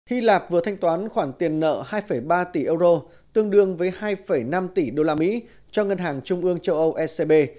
hy lạp vừa thanh toán khoản tiền nợ hai ba tỷ euro tương đương với hai năm tỷ usd cho ngân hàng trung ương châu âu ecb